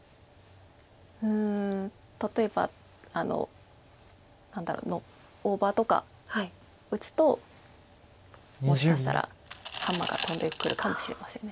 うん例えば何だろう大場とか打つともしかしたらハンマーが飛んでくるかもしれません。